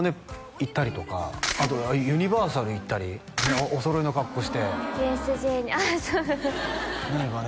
行ったりとかあとユニバーサル行ったりお揃いの格好してＵＳＪにああそう何かね